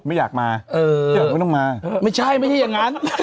ไม่อยากมาเออไม่ใช่ไม่ใช่อย่างนั้น